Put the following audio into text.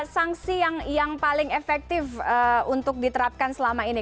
sanksi yang paling efektif untuk diterapkan selama ini